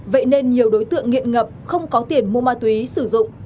vậy nên nhiều đối tượng nghiện ngập không có tiền mua ma túy sử dụng